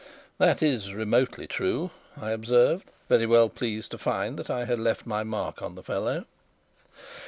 '" "That is remotely true," I observed, very well pleased to find that I had left my mark on the fellow.